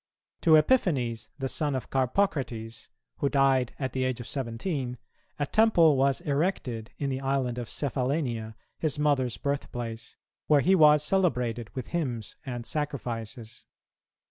To Epiphanes, the son of Carpocrates, who died at the age of seventeen, a temple was erected in the island of Cephallenia, his mother's birthplace, where he was celebrated with hymns and sacrifices.